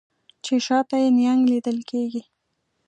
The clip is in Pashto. چې شا ته یې نهنګ لیدل کیږي